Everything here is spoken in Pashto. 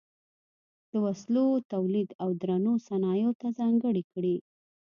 د وسلو تولید او درنو صنایعو ته ځانګړې کړې.